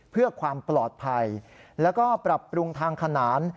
เพื่อความปลอดภัยแล้วก็ปรับปรุงทางขนาน